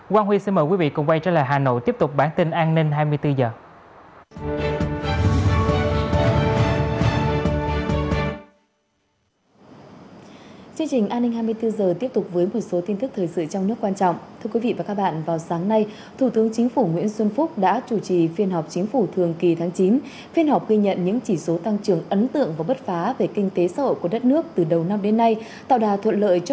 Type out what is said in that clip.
quang huy xin mời quý vị cùng quay trở lại hà nội tiếp tục bản tin an ninh hai mươi bốn h